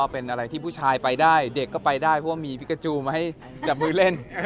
เป็นอะไรที่ผู้ชายไปได้เด็กก็ไปได้เพราะมีวัลคือกจะมาจับมือเล่น